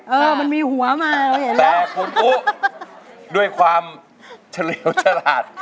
เออมันมีหัวมาแต่คุณอู๋ด้วยความเฉลี่ยวฉลาด